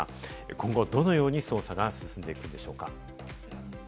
今後どのように捜査が進んでいくんでしょうか？